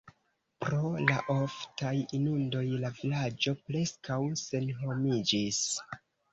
Pro la oftaj inundoj la vilaĝo preskaŭ senhomiĝis.